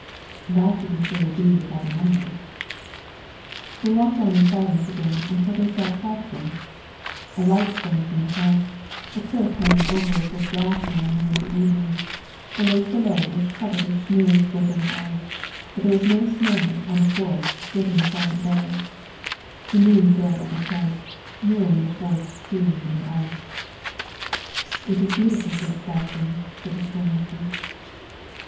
"That you can surely be without a number." They walked on in silence again until they saw Pladsen; a light shone from the house, the cliff hanging over it was black now in the winter evening; the lake below was covered with smooth, glittering ice, but there was no snow on the forest skirting the silent bay; the moon sailed overhead, mirroring the forest trees in the ice. "It is beautiful here at Pladsen," said the school master.